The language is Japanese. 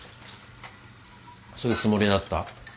そういうつもりだった？